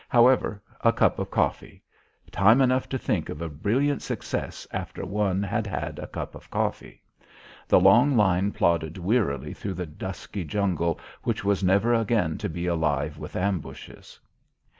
However, a cup of coffee! Time enough to think of a brilliant success after one had had a cup of coffee. The long line plodded wearily through the dusky jungle which was never again to be alive with ambushes.